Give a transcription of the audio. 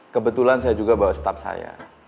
kebetulan saya juga bawa staff saya